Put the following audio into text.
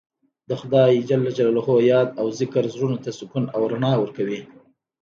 د خدای یاد او ذکر زړونو ته سکون او رڼا ورکوي.